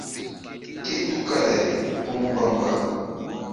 Ké tukala-ay kpúh mbamba.